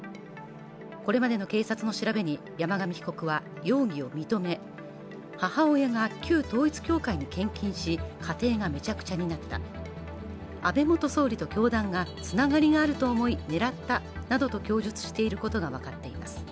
これまでの警察の調べに山上被告は容疑を認め母親が旧統一教会に献金し、家庭がめちゃくちゃになった、安倍元総理と教団がつながりがあると思い、狙ったなどと供述していることが分かっています。